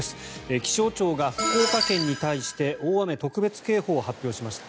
気象庁が福岡県に対して大雨特別警報を発表しました。